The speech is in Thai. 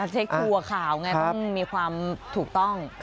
เทคตัวขาวไงต้องมีความถูกต้อง